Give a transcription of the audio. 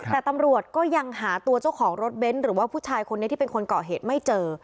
แต่ตำรวจก็ยังหาตัวเจ้าของรถเบนท์หรือว่าผู้ชายคนนี้ที่เป็นคนเกาะเหตุไม่เจอ